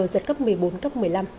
giật cấp một mươi bốn cấp một mươi năm